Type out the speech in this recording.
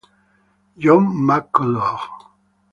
John McCullough